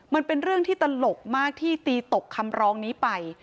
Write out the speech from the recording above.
มันเป็นเรื่องที่ตลกมากที่ตีตกคำร้องนี้ไป